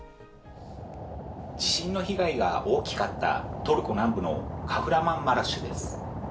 地震の被害が大きかったトルコ南部のカフラマンマラシュです。